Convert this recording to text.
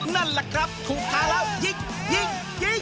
นั่นแหละครับถูกหาแล้วยิงยิง